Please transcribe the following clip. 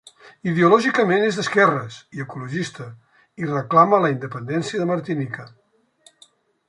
Ideològicament és d'esquerres i ecologista, i reclama la independència de Martinica.